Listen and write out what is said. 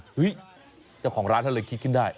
เฮ่ยเจ้าของร้านเขาเลยคิดขึ้นได้